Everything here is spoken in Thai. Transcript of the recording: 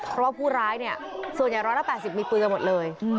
เพราะว่าผู้ร้ายเนี่ยส่วนใหญ่๑๘๐มีปืนกันหมดเลย